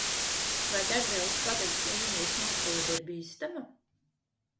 Vai degvielas padeves līnijas noplūde ir bīstama?